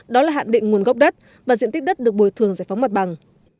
đó là hạn định nguồn gốc đất và diện tích đất được bồi thường giải phóng mặt bằng